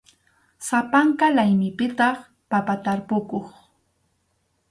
Sapanka laymipitaq papa tarpukuq.